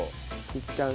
いったん。